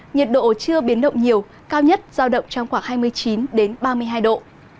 nhiệt độ chưa biến động nhiều cao nhất giao động trong khoảng hai mươi chín ba mươi hai độ